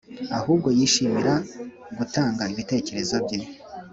ahubwo yishimira gutanga ibitekerezo bye